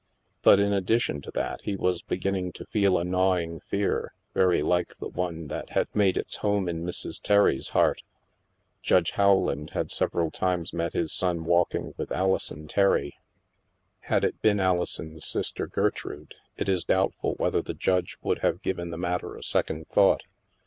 But in addition to that, he was beginning to feel a gnawing fear very like the one that had made its home in Mrs. Terry's heart. Judge Howland had several times met his son walking with Alison Terry. Had it been Alison's sister, Gertrude, it is doubtful whether the Judge would have given the matter a second thought.